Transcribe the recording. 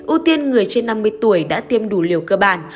ưu tiên người trên năm mươi tuổi đã tiêm đủ liều cơ bản